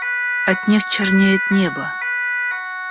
От них чернеет небо.